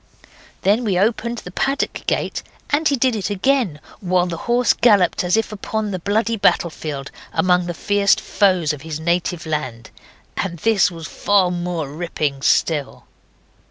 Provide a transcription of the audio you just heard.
Then we opened the paddock gate, and he did it again, while the horse galloped as if upon the bloody battlefield among the fierce foes of his native land, and this was far more ripping still.